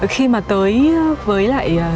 khi mà tới với lại